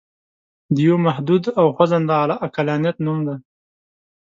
د یوه محدود او خوځنده عقلانیت نوم دی.